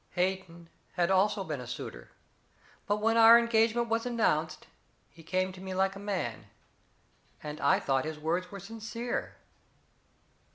Hayden had also been a suitor, but when our engagement was announced he came to me like a man, and I thought his words were sincere.